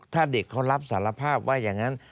ถ้าเด็กเขารับสารภาพว่าอย่างนั้น